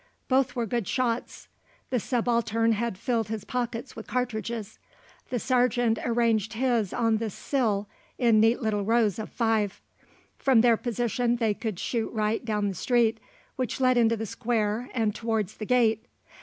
Both were good shots. The Subaltern had filled his pockets with cartridges; the Sergeant arranged his on the sill in neat little rows of five. From their position they could shoot right down the street which led into the square and towards the gate.